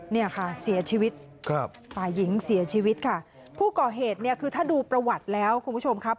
เนี่ยค่ะเสียชีวิตครับฝ่ายหญิงเสียชีวิตค่ะผู้ก่อเหตุเนี่ยคือถ้าดูประวัติแล้วคุณผู้ชมครับ